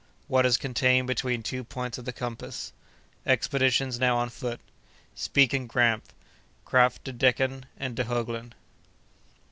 —What is contained between two Points of the Compass.—Expeditions now on foot.—Speke and Grant.—Krapf, De Decken, and De Heuglin.